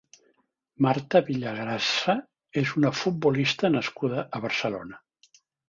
Marta Villagrasa és una futbolista nascuda a Barcelona.